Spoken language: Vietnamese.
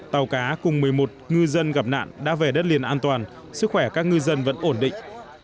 tàu cá cùng một mươi một ngư dân gặp nạn đã về đất liền an toàn sức khỏe các ngư dân vẫn ổn định